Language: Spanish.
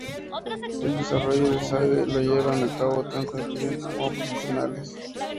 El desarrollo de Sage lo llevan a cabo tanto estudiantes como profesionales.